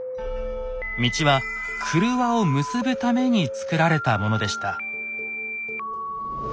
道は郭を結ぶためにつくられたものでした。